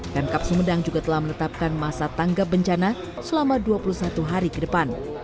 dan kapsumendang juga telah menetapkan masa tanggap bencana selama dua puluh satu hari ke depan